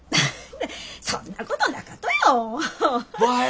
そんなことなかとよ。ばえー！